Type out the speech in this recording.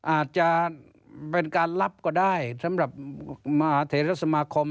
อาจจะเป็นการรับก็ได้สำหรับมหาเทศสมาคม